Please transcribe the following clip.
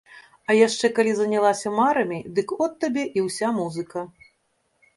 А яшчэ калі занялася марамі, дык от табе і ўся музыка.